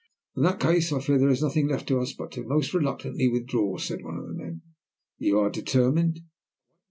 "In that case I fear there is nothing left to us but to most reluctantly withdraw," said one of the men. "You are determined?"